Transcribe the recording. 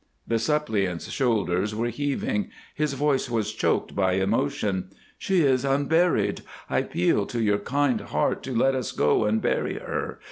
The suppliant's shoulders were heaving, his voice was choked by emotion. "She is unburied. I appeal to your kind heart to let us go and bury her.